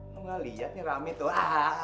lo gak liat nih rame tuh